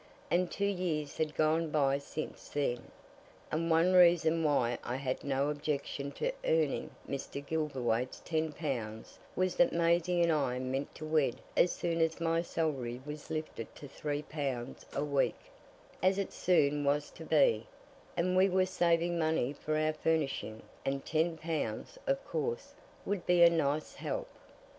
And two years had gone by since then, and one reason why I had no objection to earning Mr. Gilverthwaite's ten pounds was that Maisie and I meant to wed as soon as my salary was lifted to three pounds a week, as it soon was to be, and we were saving money for our furnishing and ten pounds, of course, would be a nice help.